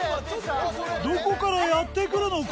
どこからやってくるのか？